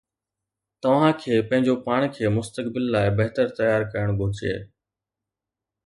توهان کي پنهنجو پاڻ کي مستقبل لاءِ بهتر تيار ڪرڻ گهرجي